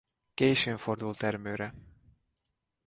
Későn fordul termőre.